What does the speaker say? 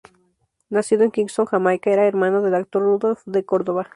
Nacido en Kingston, Jamaica, era hermano del actor Rudolph de Cordova.